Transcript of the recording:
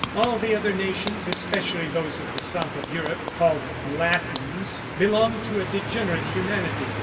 All the other nations, especially those of the south of Europe called "latins," belonged to a degenerate humanity.